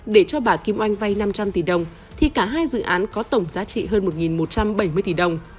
để cho bà kim oanh vay năm trăm linh tỷ đồng thì cả hai dự án có tổng giá trị hơn một một trăm bảy mươi tỷ đồng